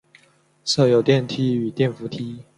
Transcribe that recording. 设有电梯与电扶梯。